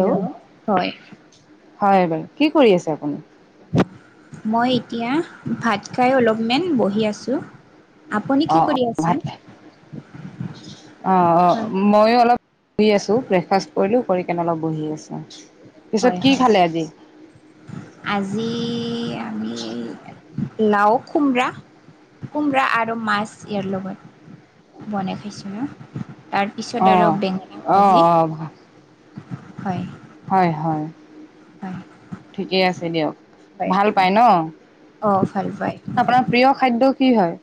Hello হয়, হয় বাৰু, কি কৰি আছে আপুনি? মই এতিয়া, ভাত খাই অলপমান বহি আছোঁ। আপুনি কি কৰি আছে? অ', অ, হয় মইয়ো অলপ, হি আছো, ব্ৰেকফাষ্ট কৰিলোঁ। কৰি কেনে অলপ বহি আছোঁ, পিছত হয় কি হয় খালে আজি? আজি আমি লাও খোমৰা, কোমৰা আৰু মাছ ইয়াৰ লগত। বনাই খাইছিলো, তাৰপিছত আৰু অঁ বেঙেনা অঁ ভাজি। অঁ হয়, হয়, হয়, হয় ঠিকে আছে দিয়ক। হয় ভাল পাই হয় ন', অ ভাল পায় আপোনাৰ প্ৰিয় খাদ্য কি হয়?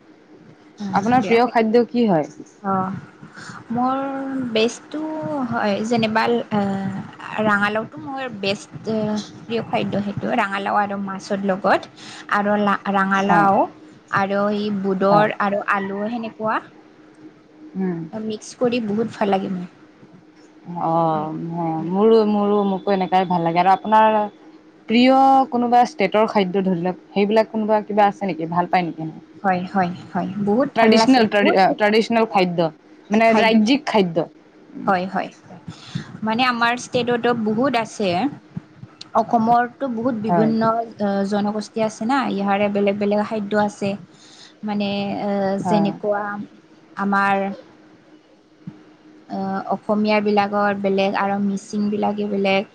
[unintelligible] আপোনাৰ প্ৰিয় খাদ্য, কি হয় অ, মোৰ বেষ্টটো, হয় যেনিবাৰ, এ ৰাঙালাওটো, মই বেষ্ট প্ৰিয় খাদ্য সেইটো ৰাঙালাও আৰু মাছৰ লগত, আৰু লা হয় ৰাঙালাও, আৰু এই হয় বুদৰ আৰু আলু সেনেকুৱা। আহ মিক্স কৰি বহুত ভাল লাগে মোৰ। অ', মোৰো-মোৰো মোকো এনেকাই ভাল লাগে আৰু আপোনাৰ প্ৰিয় কোনোবা ষ্টেটৰ খাদ্য ধৰি লওক, সেইবিলাক কোনোবা কিবা আছে নেকি ভাল পায় নেকি? অ', হয় হয় হয় বহুত ভাল লাগছে ট্ৰেডিচনেল ট্ৰেডি বহুত আ বহুত ট্ৰেডিচনেল খাদ্য, মানে খাদ্য ৰাজ্যিক খাদ্য? হয়, হয়, মানে আমাৰ ষ্টেটতো বহুত আছে, অসমৰ টো বহুত হয়। বিভিন্ন অ, জন বস্তি আছে না, ইয়াৰে বেলেগ বেলেগ খাদ্য আছে, মানে এ হয় যেনেকুৱা, আমাৰ আহ অসমীয় বিলাকৰ বেলেগ, আৰো মিচিং বিলাকে বেলেগ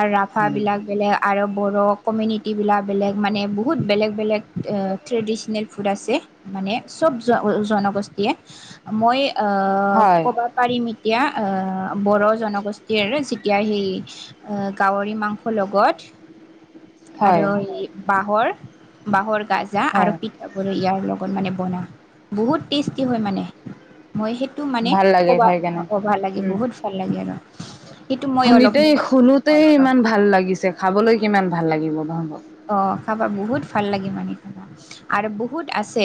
আৰু ৰাভাবিলাক বেলেগ আৰু বড়ো কমিনিটিবিলাক বেলেগ মানে বহুত বেলেগ বেলেগ এ ট্ৰেডিশনেল ফুড আছ তে মানে, চব জন জন-জনগোষ্ঠীয়ে মই আহ, হয় ক'বা পাৰিম এতিয়া আহ বড়ো জনগোষ্ঠীৰয়েৰে বিলাহী, আ গাহৰি মাংসৰ লগত। হয় আৰু ই বাঁহৰ-বাঁহৰ গাজা আৰু হয় পিঠাবোৰ ইয়াৰ লগত মানে বনাও, বহুত টেষ্টি হয় মানে। মই সেইটো মানে, ভাল লাগে কবা খাই কেনে ক'বা লাগে উম বহুত ভাল লাগে আৰু, সেইটো মই অলপমান শুনোতে হয় হয় ইমান ভাল লাগিছে, খাবলৈ কিমান ভাল লাগি অ' খাবা বহুত ভাল লাগে মানে খাবা আৰু বহুত আছে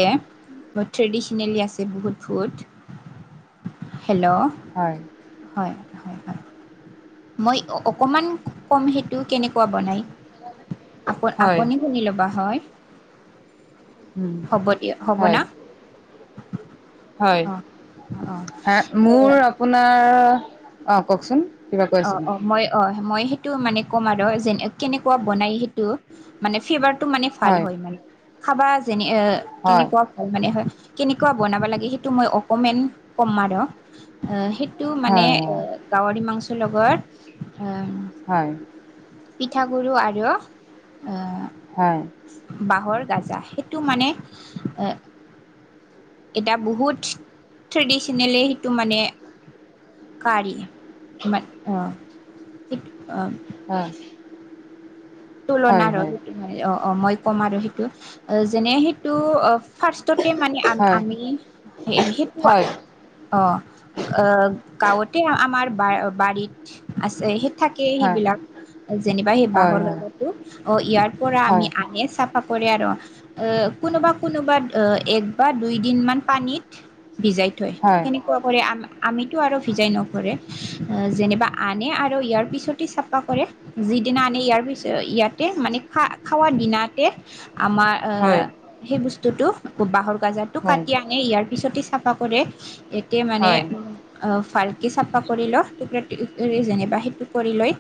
বহুত ট্ৰেডিচনেলি আছে বহুত ফুড [inaudible] হেল্ল'! হয় হয়-হয়-হয় মই অকমান কম সেইটো কেনেকুৱা বনাই? আপু হয় আপুনি শুনি ল'বা হয়। উম হ'ব দিয়া, হ'ব হয় না? হয় অ অ হা অ মোৰ আপোনাৰ অ' কওকঁচোন অ'-অ' মই অ' মই সেইটো মানে ক'ম আৰু যে কেনেকুৱা বনাই সেইটো মানে ফ্লেভাৰ টো মানে ভাল হয় মানে খাবা যেনে এহ হয় কেনেকুৱা ভাল মানে হয় কেনেকুৱা বনাব লাগে সেইটো মই অকমান কম আৰু সেই টো মানে হয় গাহৰি মাংসৰ লগত অ' হয়। পিঠাগুড়িও আৰু হয়। [unintelligible] সেইটো মানে এ এতিয়া বহুত ট্ৰেডিচনেলে সেইটো মানে কাৰিম মা অ' [unintelligible] অ' হা তুলনা আৰু সেইটো মানে অ'-অ' মই ক'ম আৰু সেইটো অ' যেনে সেইটো ফাৰ্ষ্ট ততে মানে হয় আমি-আমি সেই সেইটো হয় অ' গাঁৱতে আমাৰ বাৰীত আছে সেইটো থাকেই হয় সেইবিলাক যেনিবা সেই হয় বাঁহৰ হয় গাজাটো, অ' ইয়াৰ পৰা আমি হয় আহে চাপৰ চাপৰে আৰু অ' কোনোবা কোনোবাত অ' এক বা দুই দিন মান পানীত ভিজাই থৈ হয়, সেনেকুৱা কৰে, আমা আমিতো আৰু ভিজাই নকৰে যেনিবা আনে আৰু ইয়াৰ পিছতে চাফা কৰে যি দিনা আনে ইয়াৰ পিছত ইয়াতে মানে খা খাৱা দিনাতে আমাৰ এ হয়, সেই বস্তুটো বাঁহৰ গাজাটো হয়, কাটি আনে ইয়াৰ পিছতে চাফা কৰে এতে মানে হয়, অ' ফাল ভালকে চাফা কৰি লওঁ টুকুৰা যেনিবা সেইটো কৰি লৈ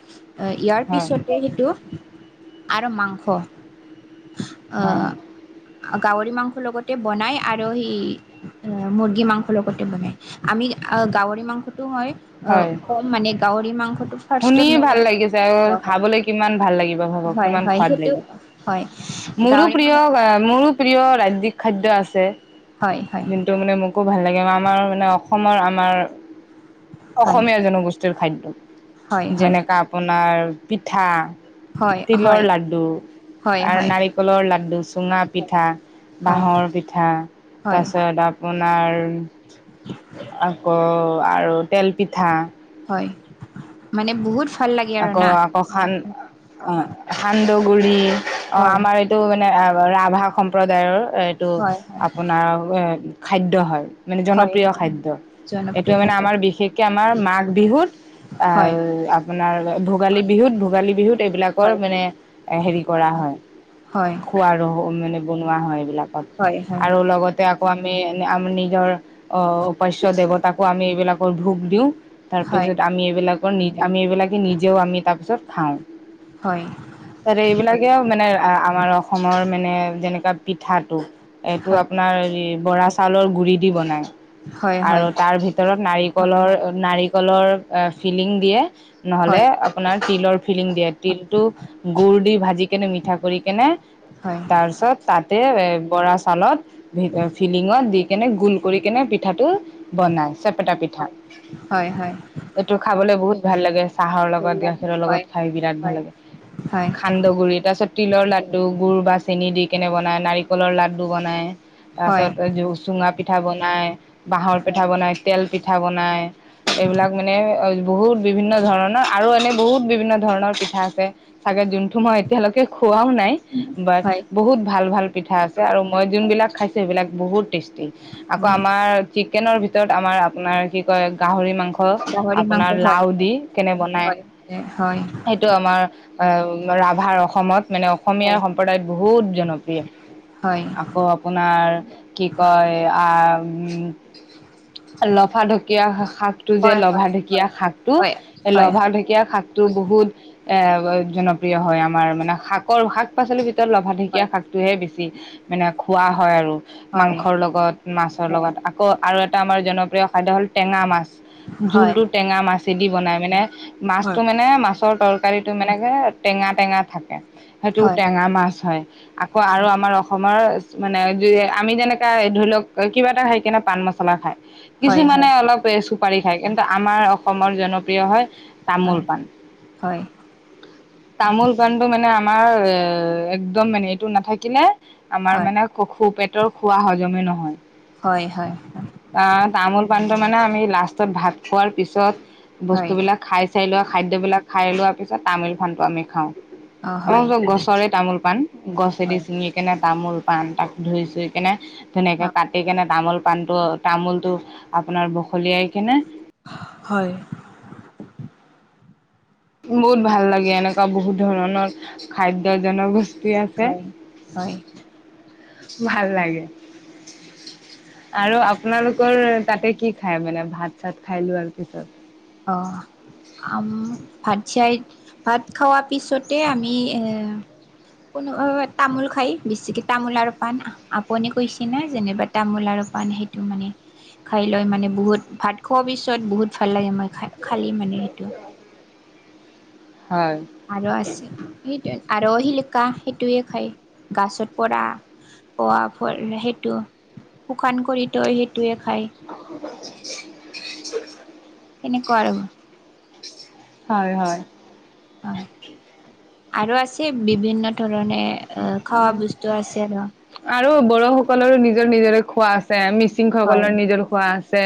ইয়াৰ হয়, পিছতে সেইটো আৰু মাংস হয়। গাহৰি মাংসৰ লগতে বনাই আৰু সেই মুৰ্গী মাংসৰ লগতে বনাই, আমি গাহৰি মাংসটো হয় অ' কম মানে গাহৰি মাংসটো ফাৰ্ষ্টত শুনিয়ে মানে ভাল লাগিছে আৰু খাবলৈ কিমান ভাল লাগি [unintelligible] হয় কিমান হয় সোৱাদ সেইটো লাগিব, হয় মোৰো গাহৰি প্ৰিয় মাংস মোৰো প্ৰিয় ৰা খাদ্য আছে, হয় হয় যোনটো মানে মোকো ভাল লাগে এয়া আমাৰ মানে অসমৰ আমাৰ হয় অসমীয়া জনগোষ্ঠীৰ খাদ্য হয় হয় যেনেকা আপোনাৰ পিঠ, হয় হয় তিলৰ লাডু হয় আৰু হয় নাৰিকলৰ লাডু, চুঙা পিঠা, হয় বাঁহৰ পিঠা হয় তাৰ পিছত আপোনা আপোনাৰ আকৌ আৰু তেল পিঠা হয় মানে বহুত ভাল লাগে আৰু না আকৌ-আকৌ খান অ' খান্দ গুড়ি অ' হয় আমাৰ এইটো মানে ৰাভা সম্প্ৰদায়ৰ এইটো হয় হয় আপোনাৰ খাদ্য হয়। মানে হয় জনপ্ৰিয় হয় খাদ্য, এইটো জনপ্ৰিয় মানে খাদ্য আমাৰ বিশেষ আমাৰ মাঘ বিহুত হয় আঅঅ আপোনাৰ ভোগালী বিহুত ভোগালী বিহুত এইবিলাকৰ হয় মানে হেৰি কৰা হয় হয় খোৱাৰো মানে বনোৱা হয় এইবিলাক হয় হয় আৰু লগতে আপ তো আমি আমি নিজৰ অ উপাস্য দেৱতাকো আমি এইবিলাকৰ ভোক দিও হয় তাৰপিছত আমি এইবিলাকৰ নি আমি এইবিলাকে নিজেও আমি তাৰপিছত খাওঁ হয় ত এইবিলাকেও মানে আ আমাৰ অসমৰ মানে যেনেকা পিঠাটো এইটো হয় আপোনাৰ হেৰি বৰা চাউলৰ গুড়ি দি বনায় হয় আৰু হয় তাৰ ভিতৰত নাৰিকলৰ নাৰিকলৰ ফিলিং দিয়ে নহ'লে হয় আপোনাৰ তিলৰ ফিলিং দিয়ে তিলটো গুৰ দি ভাজি কেনে মিঠা কৰি কেনে হয় তাৰপিছত তাত তাতে এ বৰা চাউলত ভি ফিলিঙত দি কেনে গোল কৰিকনে পিঠাটো বনাই চেপেটা পিঠা হয় হয় এইটো খাবলে বহুত ভাল লাগে চাহৰ লগত সেইবিলাক গাখীৰৰ লগত হয় খাই বিৰাট ভাল হয় লাগে হয় সান্দহগুৰি তাছত তিলৰ লাড্ডু গুৰ বা চেনি দি কেনে বনায় নাৰিকলৰ লাড্ডু বনায় তাৰ হয় পাছত চুঙা পিঠা বনাই বাঁহৰ পিঠা বনাই তেল পিঠ পিঠা বনাই এইবিলাক মানে বহুত বিভিন্ন ধৰণৰ আৰু এনে বহুত বিভিন্ন ধৰণৰ পিঠা আছে চাগে যোনটো তো মই এতিয়ালেকে খোৱাও নাই বাট হয় বহুত ভাল ভাল পিঠা আছে আৰু মই যোন বিলাক খাইছো সেইবিলাক বহুত টেষ্টি আকৌ হয় আমাৰ চিকেনৰ ভিত ভিতৰত আমাৰ আপোনাৰ কি কয় গাহৰি মাংস গাহৰি মাংস আপোনাৰ হয় লাও দি বনাই হয় হয় হয় সেইটো আমাৰ আহ ৰাভাৰ অসমত মানে অসমীয়া হয় সম্প্ৰদায়ত বহুত জনপ্ৰিয় হয় আকৌ আপোনাৰ কি কয় আ উম লফা ঢেকীয়া শাকটো যে হয় লভা হয় ঢেকীয়া হয় শাকটো হয় এ হয় হয় হয় হয় হয় লভা ঢেকীয়া শাক শাকটো বহুত এ জনপ্ৰিয় হয় আমাৰ মানে শাকৰ শাক পাচলিৰ ভিতৰত লভা ঢেকীয়া শাকটোহে বেছি মানে খোৱা হয় আৰু হয় মাংসৰ লগত মাছৰ লগত আকৌ আৰু এটা আমাৰ জনপ্ৰিয় খাদ্য হ'ল টেঙা মাছ হয় জোলটো টেঙা মাছেদি বনাই মানে মাছটো মানে মাছৰ তৰ তৰকাৰীটো মানে টেঙা টেঙা থাকে হয় সেইটো হয় টেঙা মাছ হয় আকৌ আৰু আমাৰ অসমৰ মানে এগিৰি আমি যেনেকা ধৰি লওক কিবা এটা খাই কিনে পান মছলা খাই হয় কিছুমানে অলপ চুপাৰী খায় কিন্তু আমাৰ অসমৰ জনপ্ৰিয় হয় তামোল হয় পাণ হয় তামোল পাণটো মানে আমাৰ এ একদম মানে এইটো নাথাকিলে আমাৰ মানে খু খু পেটৰ খোৱা হজমে নহয় হয় হয় অ তামোল পানটো মানে আমি লাষ্টত ভাত খোৱাৰ পিছত হয় বস্তুবিলাক খাই চাই লোৱা খাদ্যবিলাক খাই লোৱাৰ পিছত তামোল-পাণটো আমি খাওঁ অ আমাৰ হয় চব গছৰে তামোল পাণ গছেদি হয় ছিঙি কেনে তামোল পাণ তাক ধুই চুই কেনে ধুনীকে অ কাটি কেনে তামোল পাণটো তামোলটো আপোনাৰ বখলিয়াই কিনে হয় বহুত ভাল লাগে এনেকুৱা বহুত ধৰণৰ খাদ্য জনগোষ্ঠী টি আছে হয় হয় ভাল লাগে আৰু আপোনালোকৰ তাতে কি খাই মানে ভাত চাত খাই লোৱাৰ পিছত অ আম ভাত চাইত ভাত খাৱা পিছতে আমি এ কোনো তামোল খাই বেছিকে তামোল আৰু পাণ আপুনি কৈছে না যেনিবা তামোল আৰু পান সেইটো মানে খাই লৈ মানে বহুত ভাত খোৱা পিছত বহুত ভাল লাগে মানে খাই- খালী মানে সেইটো। হয় আৰু আছে। সেইটোৱে। আৰু শিলি কা সেইটোয়ে খায়। গাছত পৰা পোৱা ফল সেইটো। শুকান কৰি তই সেইটোৱে খায়। সেনেকুৱা আৰু। হয় - হয়। হয় আৰু আছে বিভিন্ন ধৰণে অ'- খাৱা বস্তু আছে আৰু। আৰু বড়োসকলৰো নিজৰ নিজৰে খোৱা আছে। মিছ হয় ছিংসকলৰ নিজৰ খোৱা আছে।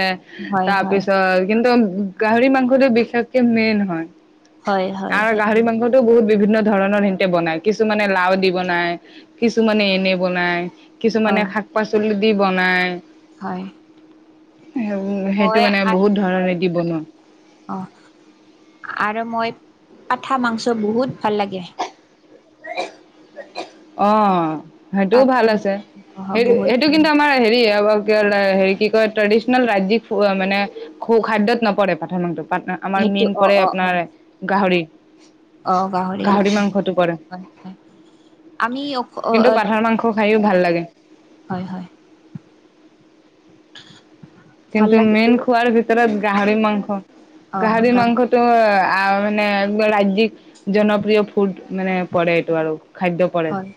হয় তাৰ হয় পিছত কিন্তু গাহৰি মাংসটো বিশেষকে মেইন হয়। হয় হয় আৰু সেইটো গাহৰি মাংসটো বহুত বিভিন্ন ধৰণৰ সিহঁতে বনায়। কিছুমানে লাও দি বনায়, কিছুমানে এনে বনায়। কিছুমানে হয় শাক-পাচলি দি বনায়। হয়। সেইটো হয় মানে আৰু বহুত ধৰণে হয়। দি বনোৱা অ'। আ আৰু মই পাঠা মাংস বহুত ভাল লাগে। অ'। সেইটোও পাঠ ভাল আছে। অ সেই- বহুত সেইটো কিন্তু আমাৰ হেৰি [unintelligible] হেৰি কি কয়, ট্ৰেডিশনেল ৰাজ্যিক ফু- অ'- মানে খো- খাদ্যত নপৰে পাঠা মানটো পাত ন আমাৰ সেইটো মেইন অ পৰে অ অ আপোনাৰ গাহৰি। অ গাহৰি সেইটো মাংসটো হয় পৰে। হয় হয় আমি [inaudible] কিন্তু পাঠাৰ মাংস খাইও ভাল লাগে। হয় হয় হয় ভাল কিন্তু লাগিব মেইন খোৱাৰ ভিতৰত গাহৰি মাংস। অ গাহৰি গান মাংসটো অ' অ'- মানে ৰাজ্যিক জনপ্ৰিয় ফুড মানে পৰে এইটো আৰু। খাদ্য পৰে। হয়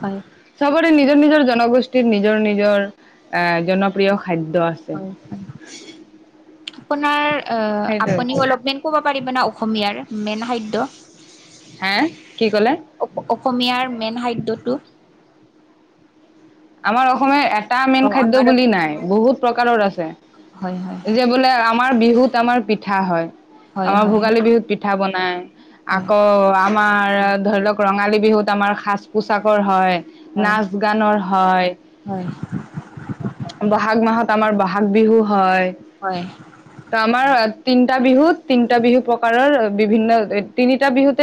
হয় চাগ নিজৰ - নিজৰ জনগোষ্ঠীৰ নিজৰ - নিজৰ এ জনপ্ৰিয় খা আছে। হয় হয় আপোনাৰ অ'- সেইটোৱে আপুনি অলপমেন ক'ব পাৰিব না অসমীয়াৰ মেইন খাদ্য? হে কি ক'লে অপ- অসমীয়াৰ মেইন খাদ্যটো। আমাৰ অসমীয়া এটা অ মেইন খাদ্য আমাৰ বুলি নাই, অসমীয়াৰ বহুত প্ৰকাৰৰ আছে। হয় হয় যে বোলে আ আমাৰ বিহুত আমাৰ পিঠা হয়। হয় আমাৰ হয় ভোগালী বিহুত পিঠা বনায়। হয় আকৌ আমাৰ ধৰা, ধৰি লওঁক ৰঙালী বিহুত আমাৰ সাজ-পোছাকৰ হয়, হয় নাচ-গানৰ হয়। হয় বহাগ মাহত আমাৰ বহাগ বিহু হয়। হয় তো আমাৰ তিনিটা বিহুত- তিনিটা বিহু প্ৰকাৰৰ অ'- বিভিন্ন তিনিটা বিহুতে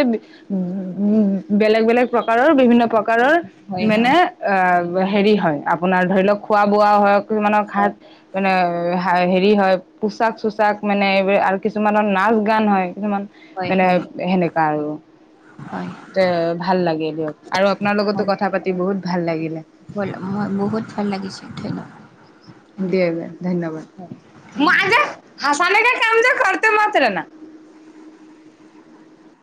উম বেলেগ - বেলেগ প্ৰকাৰৰ বিভিন্ন হয় প্ৰকাৰৰ হয় মানে অ'- হেৰি হয়, আপোনাৰ ধৰি লওঁক, খোৱা-বোৱা হয় কিছুমানৰ খাত মানে হে হেৰি হয়, পোচাক চোচাক মানে এইবো- আৰু কিছুমানৰ নাচ-গান হয়। কিছুমান হয় মানে হয় সেনেকা আৰু। হয় হয় তে ভাল লাগিল দিয়ক। আৰু আপোনাৰ লগতো কথা পাতি বহুত ভাল লাগিলে। বোল অ' মই বহুত ভাল লাগিছে। ধন্যবাদ। ধন্যবাদ দে ব ধন্যবাদ। ধন্যবাদ। মাজে হাচানে কাম যে কৰ [unintelligible]